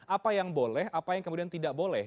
apa yang boleh apa yang kemudian tidak boleh